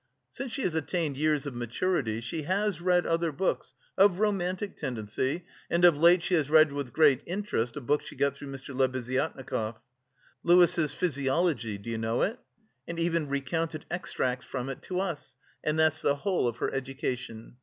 Since she has attained years of maturity, she has read other books of romantic tendency and of late she had read with great interest a book she got through Mr. Lebeziatnikov, Lewes' Physiology do you know it? and even recounted extracts from it to us: and that's the whole of her education.